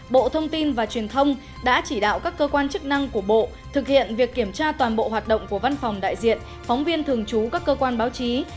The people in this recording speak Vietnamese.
bộ thông tin và truyền thông đã chỉ đạo các cơ quan chức năng của bộ thực hiện việc kiểm tra toàn bộ hoạt động của văn phòng đại diện phóng viên thường trú các cơ quan báo chí